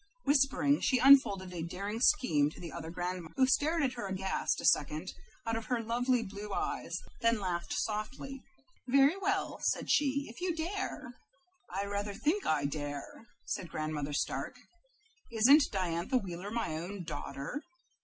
Whispering, she unfolded a daring scheme to the other grandmother, who stared at her aghast a second out of her lovely blue eyes, then laughed softly. "Very well," said she, "if you dare." "I rather think I dare!" said Grandmother Stark. "Isn't Diantha Wheeler my own daughter?"